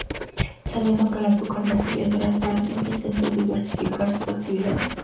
Sabiendo que el azúcar no podía durar para siempre, intentó diversificar sus actividades.